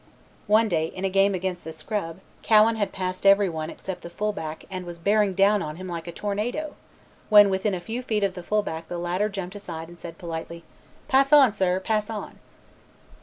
One day in a game against the Scrub, Cowan had passed everyone except the fullback and was bearing down on him like a tornado, when within a few feet of the fullback the latter jumped aside and said politely, "Pass on, sir, pass on."